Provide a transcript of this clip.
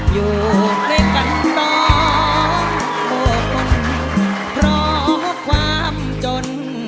อยู่ของกันต่อครับคุณ